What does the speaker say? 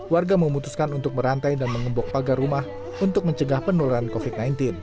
warga memutuskan untuk merantai dan mengembok pagar rumah untuk mencegah penularan covid sembilan belas